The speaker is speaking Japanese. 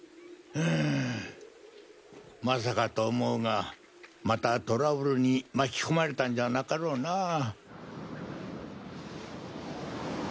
うむまさかとは思うがまたトラブルに巻き込まれたんじゃなかろうな。